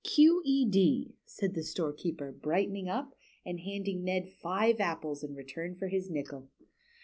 " Q. E. D.," said the storekeeper, brightening up, and handing Ned five apples in return for his nickel.